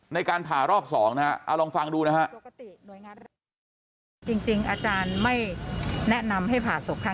ในการผ่ารอบ๒นะฮะเอาลองฟังดูนะฮะ